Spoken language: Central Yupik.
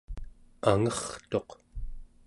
angertuq